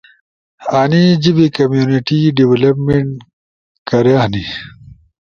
انی جیبے کمیونٹی ڈیولپمنٹ کھرے ہنی۔